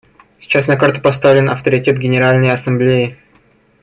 Сейчас на карту поставлен авторитет Генеральной Ассамблеи.